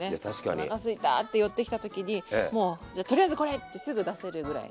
おなかすいたって寄ってきた時にもうじゃあとりあえずこれってすぐ出せるぐらいの。